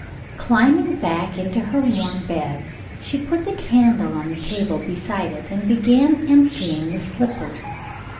Climbing back into her warm bed, she put the candle on the table beside it, and began emptying the slippers.